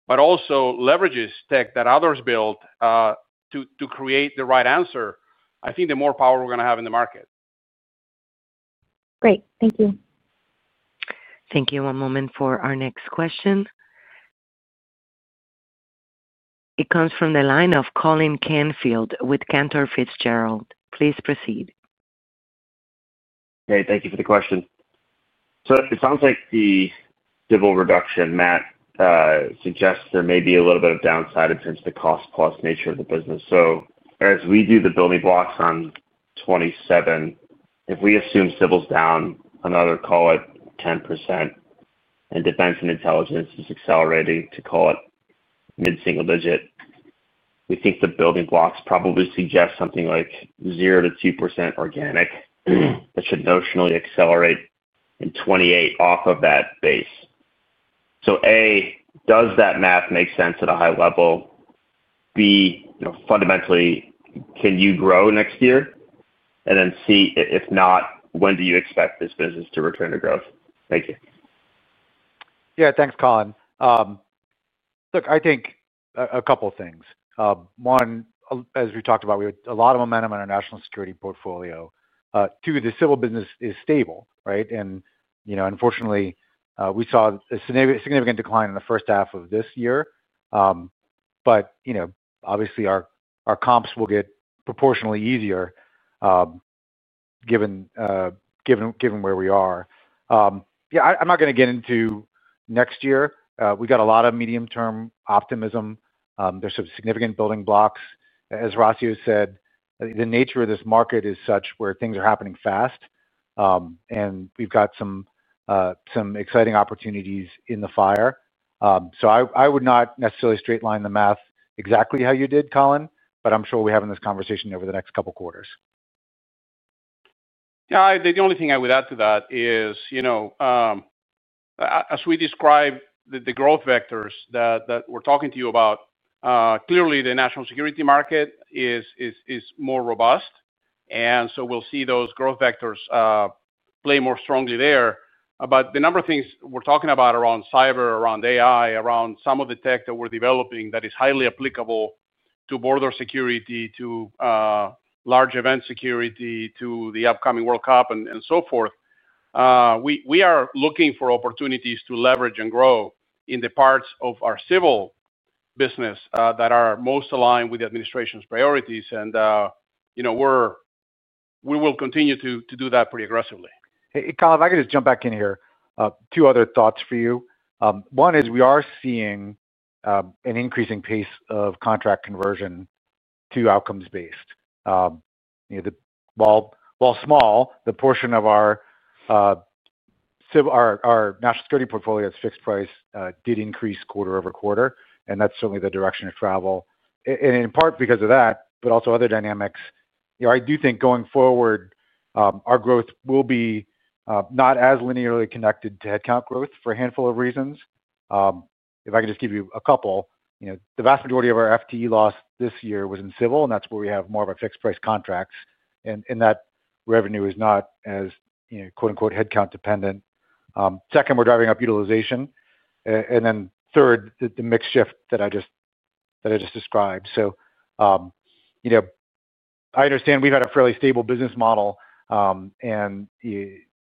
C: but also leverages tech that others build to create the right answer, I think the more power we're going to have in the market.
G: Great. Thank you.
A: Thank you. One moment for our next question. It comes from the line of Colin Canfield with Cantor Fitzgerald & Co. Please proceed.
H: Okay, thank you for the question. It sounds like the civil reduction Matt suggests there may be a little bit of downside since the cost-plus nature of the business. As we do the building blocks on 2027, if we assume civil's down another, call it 10%, and defense and intelligence is accelerating to, call it, mid-single digit, we think the building blocks probably suggest something like 0-2% organic that should notionally accelerate in 2028 off of that base. A, does that math make sense at a high level? B, fundamentally, can you grow next year? C, if not, when do you expect this business to return to growth? Thank you.
D: Yeah, thanks, Colin. Look, I think a couple of things. One, as we talked about, we had a lot of momentum in our national security portfolio. Two, the civil business is stable, right? Unfortunately, we saw a significant decline in the first half of this year. Obviously, our comps will get proportionately easier given where we are. I'm not going to get into next year. We've got a lot of medium-term optimism. There's some significant building blocks. As Horacio said, the nature of this market is such where things are happening fast. We've got some exciting opportunities in the fire. I would not necessarily straight line the math exactly how you did, Colin, but I'm sure we're having this conversation over the next couple of quarters.
C: The only thing I would add to that is, as we describe the growth vectors that we're talking to you about, clearly, the national security market is more robust. We'll see those growth vectors play more strongly there. The number of things we're talking about around cyber, around AI, around some of the tech that we're developing that is highly applicable to border security, to large event security, to the upcoming World Cup, and so forth. We are looking for opportunities to leverage and grow in the parts of our civil business that are most aligned with the administration's priorities. We will continue to do that pretty aggressively.
D: Hey, Colin, if I could just jump back in here, two other thoughts for you. One is we are seeing an increasing pace of contract conversion to outcome-based. While small, the portion of our national security portfolio that's fixed-price did increase quarter-over-quarter. That's certainly the direction of travel. In part because of that, but also other dynamics, I do think going forward, our growth will be not as linearly connected to headcount growth for a handful of reasons. If I can just give you a couple, the vast majority of our FTE loss this year was in civil, and that's where we have more of our fixed-price contracts. That revenue is not as, quote-unquote, "headcount dependent." Second, we're driving up utilization. Third, the mix shift that I just described. I understand we've had a fairly stable business model, and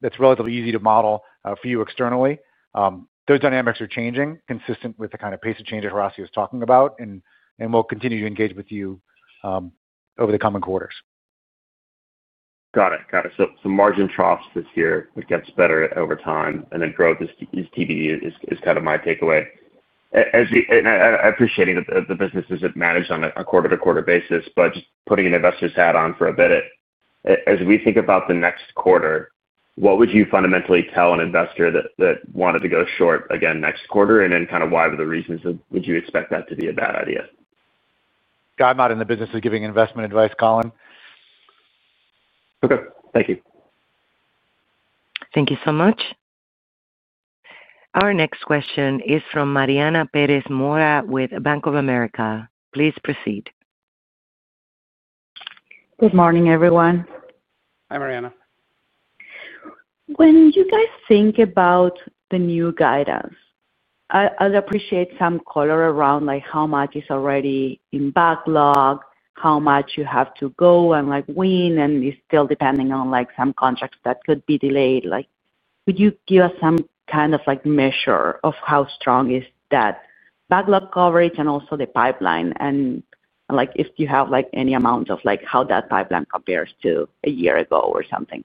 D: that's relatively easy to model for you externally. Those dynamics are changing, consistent with the kind of pace of change that Horacio is talking about. We'll continue to engage with you over the coming quarters.
H: Got it. Got it. Some margin troughs this year get better over time, and then growth is kind of my takeaway. I appreciate the businesses that manage on a quarter-to-quarter basis, but just putting an investor's hat on for a bit, as we think about the next quarter, what would you fundamentally tell an investor that wanted to go short again next quarter? Why would the reasons that you would expect that to be a bad idea?
D: Yeah, I'm not in the business of giving investment advice, Colin Michael Canfield.
H: Okay, thank you.
A: Thank you so much. Our next question is from Mariana Perez Mora with Bank of America. Please proceed.
I: Good morning, everyone.
C: Hi, Mariana.
I: When you guys think about the new guidance, I appreciate some color around how much is already in backlog, how much you have to go and win, and it's still depending on some contracts that could be delayed. Could you give us some kind of measure of how strong is that backlog coverage and also the pipeline? If you have any amount of how that pipeline compares to a year ago or something.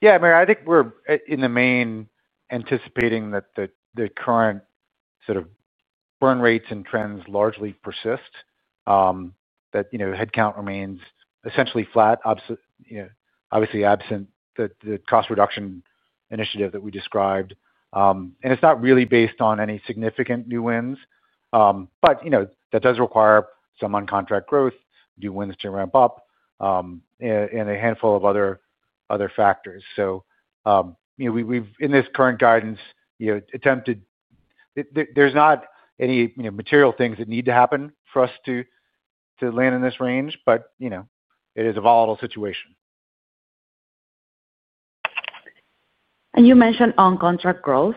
D: Yeah, I mean, I think we're in the main anticipating that the current sort of burn rates and trends largely persist, that headcount remains essentially flat, obviously absent the cost reduction initiative that we described. It's not really based on any significant new wins, but that does require some uncontract growth, new wins to ramp up, and a handful of other factors. In this current guidance, we've attempted—there's not any material things that need to happen for us to land in this range, but it is a volatile situation.
I: You mentioned on-contract growth.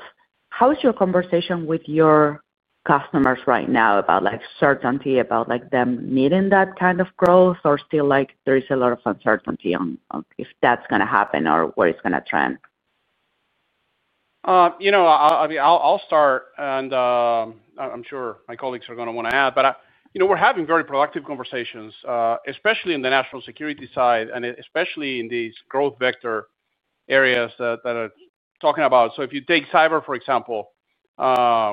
I: How is your conversation with your customers right now about certainty about them needing that kind of growth, or still there is a lot of uncertainty on if that's going to happen or where it's going to trend?
C: I'll start, and I'm sure my colleagues are going to want to add, but we're having very productive conversations, especially in the national security side and especially in these growth vector areas that I'm talking about. If you take cyber, for example,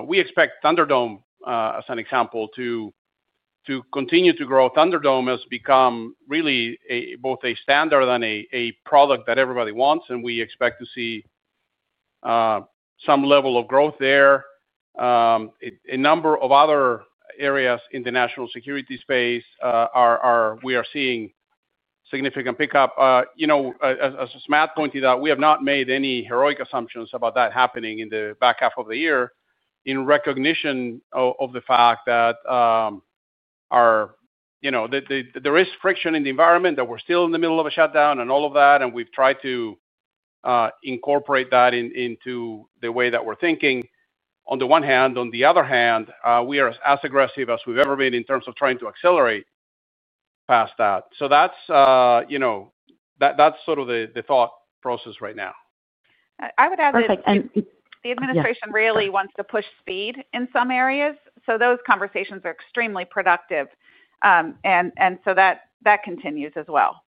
C: we expect ThunderDome as an example to continue to grow. ThunderDome has become really both a standard and a product that everybody wants, and we expect to see some level of growth there. A number of other areas in the national security space are seeing significant pickup. As Matt pointed out, we have not made any heroic assumptions about that happening in the back half of the year in recognition of the fact that there is friction in the environment, that we're still in the middle of a shutdown and all of that, and we've tried to incorporate that into the way that we're thinking. On the one hand, on the other hand, we are as aggressive as we've ever been in terms of trying to accelerate past that. That's sort of the thought process right now.
F: I would add that the administration really wants to push speed in some areas. Those conversations are extremely productive, and that continues as well.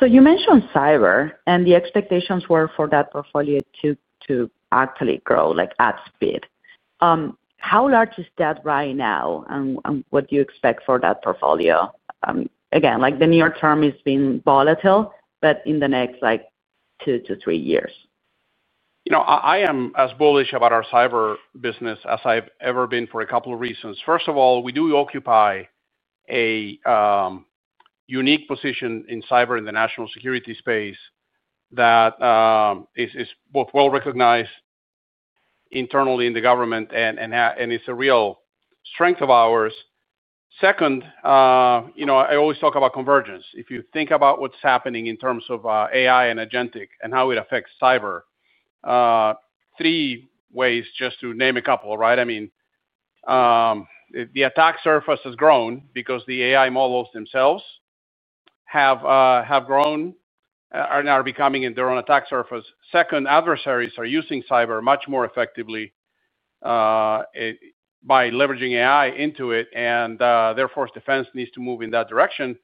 I: You mentioned cyber, and the expectations were for that portfolio to actually grow at speed. How large is that right now, and what do you expect for that portfolio? The near term has been volatile, but in the next two to three years?
C: I am as bullish about our cyber business as I've ever been for a couple of reasons. First of all, we do occupy a unique position in cyber in the national security space that is both well recognized internally in the government and is a real strength of ours. I always talk about convergence. If you think about what's happening in terms of AI and agentic and how it affects cyber, three ways just to name a couple, right? The attack surface has grown because the AI models themselves have grown and are becoming in their own attack surface. Adversaries are using cyber much more effectively by leveraging AI into it, and therefore, defense needs to move in that direction.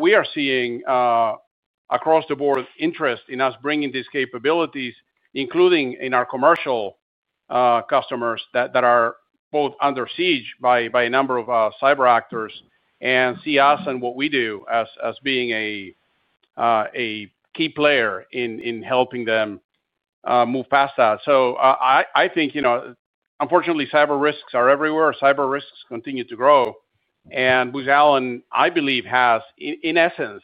C: We are seeing across the board interest in us bringing these capabilities, including in our commercial customers that are both under siege by a number of cyber actors, and see us and what we do as being a key player in helping them move past that. I think, unfortunately, cyber risks are everywhere. Cyber risks continue to grow. Booz Allen, I believe, has, in essence,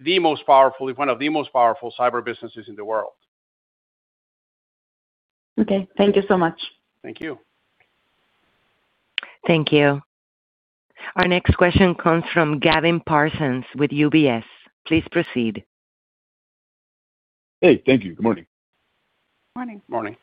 C: the most powerful, if one of the most powerful cyber businesses in the world.
I: Okay, thank you so much.
C: Thank you.
A: Thank you. Our next question comes from Gavin Parsons with UBS. Please proceed.
J: Thank you. Good morning.
F: Morning.
C: Morning.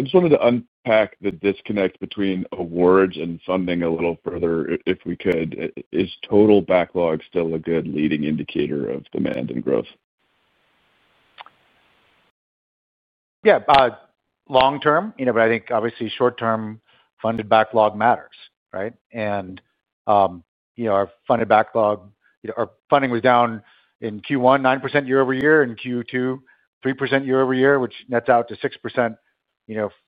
J: I just wanted to unpack the disconnect between awards and funding a little further, if we could. Is total backlog still a good leading indicator of demand and growth?
C: Yeah, long term, you know, but I think obviously short-term funded backlog matters, right? Our funded backlog, you know, our funding was down in Q1 9% year-over-year, in Q2 3% year-over-year, which nets out to 6%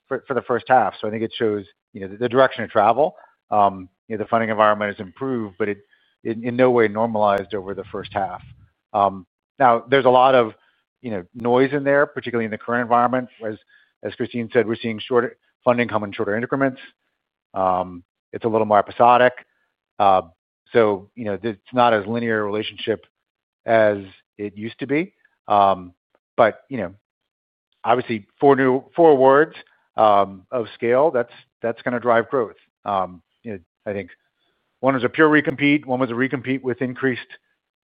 C: for the first half. I think it shows the direction of travel. The funding environment has improved, but it in no way normalized over the first half. Now, there's a lot of noise in there, particularly in the current environment, whereas, as Kristine said, we're seeing shorter funding come in shorter increments. It's a little more episodic. It's not as linear a relationship as it used to be. Obviously, four new awards of scale, that's going to drive growth. I think one was a pure recompete, one was a recompete with increased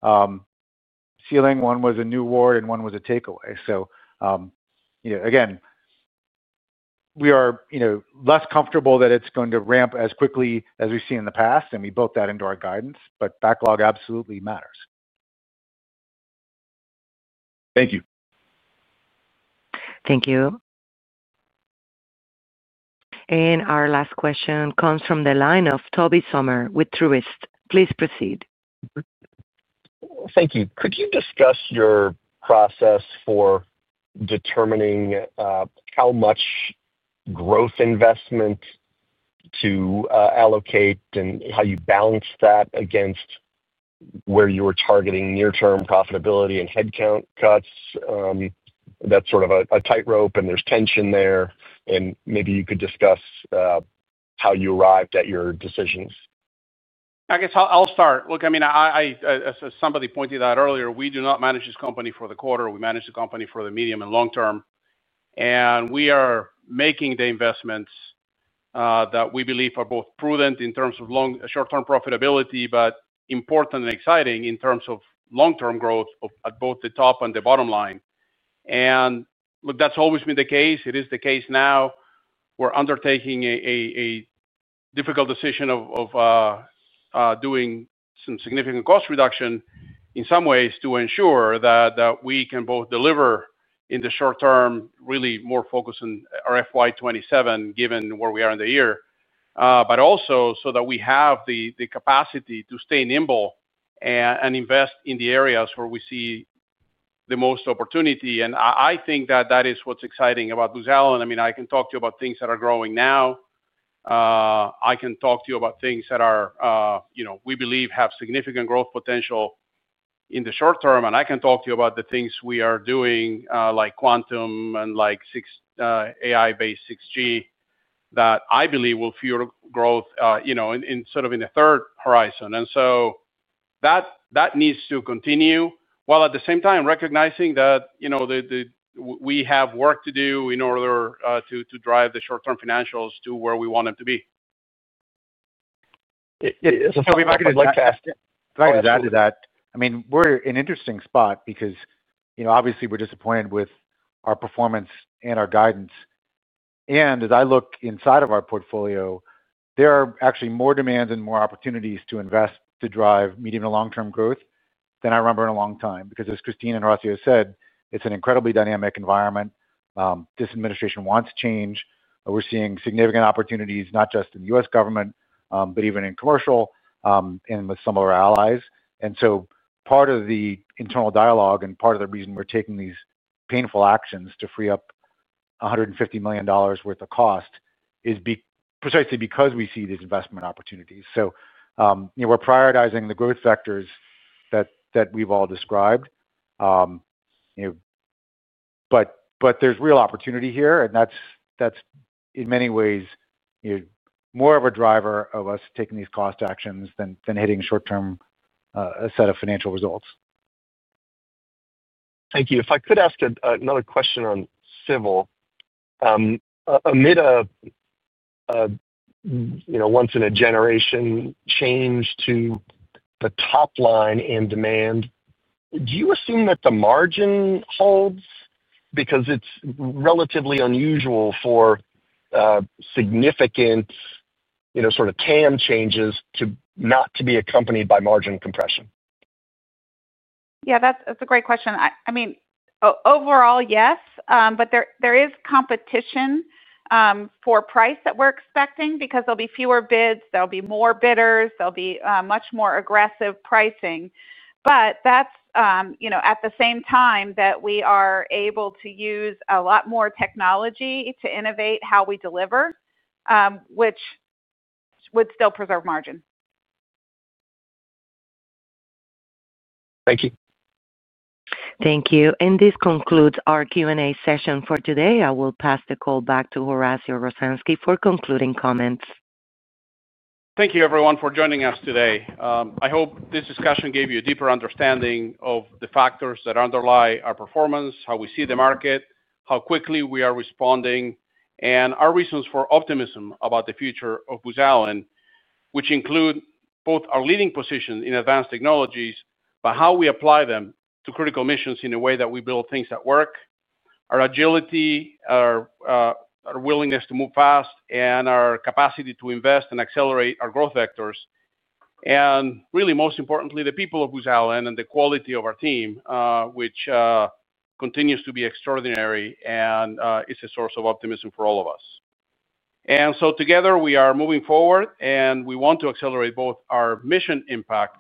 C: ceiling, one was a new award, and one was a takeaway. Again, we are less comfortable that it's going to ramp as quickly as we've seen in the past, and we built that into our guidance, but backlog absolutely matters.
J: Thank you.
A: Thank you. Our last question comes from the line of Tobey Sommer with Truist. Please proceed.
K: Thank you. Could you discuss your process for determining how much growth investment to allocate and how you balance that against where you were targeting near-term profitability and headcount cuts? That is sort of a tightrope, and there is tension there. Maybe you could discuss how you arrived at your decisions.
C: I guess I'll start. Look, as somebody pointed out earlier, we do not manage this company for the quarter. We manage the company for the medium and long term. We are making the investments that we believe are both prudent in terms of short-term profitability, but important and exciting in terms of long-term growth at both the top and the bottom line. That's always been the case. It is the case now. We're undertaking a difficult decision of doing some significant cost reduction in some ways to ensure that we can both deliver in the short term, really more focused on our FY 2027, given where we are in the year, but also so that we have the capacity to stay nimble and invest in the areas where we see the most opportunity. I think that is what's exciting about Booz Allen. I can talk to you about things that are growing now. I can talk to you about things that we believe have significant growth potential in the short term. I can talk to you about the things we are doing, like quantum and like AI-based 6G, that I believe will fuel growth in the third horizon. That needs to continue while at the same time recognizing that we have work to do in order to drive the short-term financials to where we want them to be.
D: If I could just add to that, I mean, we're in an interesting spot because, you know, obviously, we're disappointed with our performance and our guidance. As I look inside of our portfolio, there are actually more demands and more opportunities to invest to drive medium to long-term growth than I remember in a long time. As Kristine and Horacio said, it's an incredibly dynamic environment. This administration wants change. We're seeing significant opportunities, not just in the U.S. government, but even in commercial and with some of our allies. Part of the internal dialogue and part of the reason we're taking these painful actions to free up $150 million worth of cost is precisely because we see these investment opportunities. We're prioritizing the growth vectors that we've all described. There's real opportunity here, and that's in many ways, you know, more of a driver of us taking these cost actions than hitting short-term a set of financial results.
K: Thank you. If I could ask another question on civil, amid a once-in-a-generation change to the top line and demand, do you assume that the margin holds? Because it's relatively unusual for significant, you know, sort of TAM changes to not be accompanied by margin compression.
F: Yeah, that's a great question. I mean, overall, yes, there is competition for price that we're expecting because there will be fewer bids, there will be more bidders, and there will be much more aggressive pricing. At the same time, we are able to use a lot more technology to innovate how we deliver, which would still preserve margin.
K: Thank you.
A: Thank you. This concludes our Q&A session for today. I will pass the call back to Horacio Rozanski for concluding comments.
C: Thank you, everyone, for joining us today. I hope this discussion gave you a deeper understanding of the factors that underlie our performance, how we see the market, how quickly we are responding, and our reasons for optimism about the future of Booz Allen, which include both our leading position in advanced technologies, how we apply them to critical missions in a way that we build things that work, our agility, our willingness to move fast, and our capacity to invest and accelerate our growth vectors. Most importantly, the people of Booz Allen and the quality of our team, which continues to be extraordinary, is a source of optimism for all of us. Together, we are moving forward, and we want to accelerate both our mission impact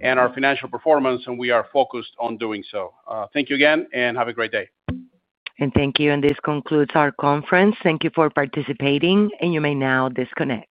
C: and our financial performance, and we are focused on doing so. Thank you again, and have a great day.
A: Thank you. This concludes our conference. Thank you for participating, and you may now disconnect.